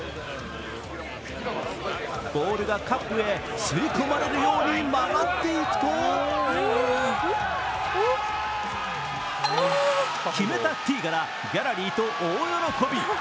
ボールがカップへ吸い込まれるように曲がっていくと決めたティーガラ、ギャラリーと大喜び。